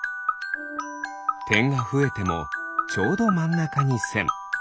てんがふえてもちょうどまんなかにせん。